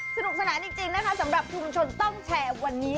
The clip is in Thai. สนุกสนานจริงนะคะสำหรับชุมชนต้องแชร์วันนี้